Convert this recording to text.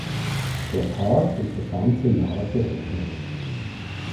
Der Park ist das ganze Jahr geöffnet.